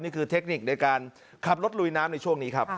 เทคนิคในการขับรถลุยน้ำในช่วงนี้ครับ